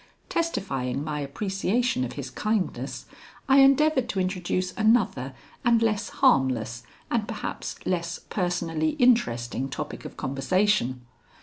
Testifying my appreciation of his kindness, I endeavored to introduce another and less harmless and perhaps less personally interesting topic of conversation.